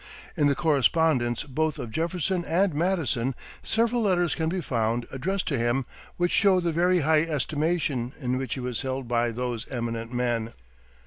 In the correspondence both of Jefferson and Madison several letters can be found addressed to him which show the very high estimation in which he was held by those eminent men.